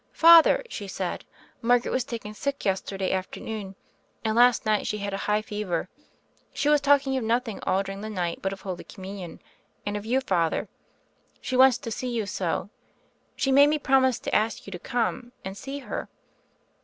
"Father," she said, "Margaret was taken sick yesterday afternoon, and last night she had a high fever. She was talking of nothing all during the night but of Holy Communion, and of you. Father. She wants to see you so. She made me promise to ask you to come and see her."